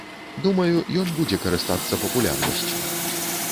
Думаю, ён будзе карыстацца папулярнасцю.